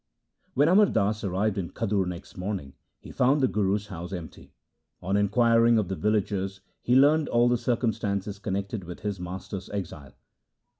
When Amar Das arrived in Khadur next morning, he found the Guru's house empty. On inquiring of the villagers, he learned all the circumstances connected with his master's exile.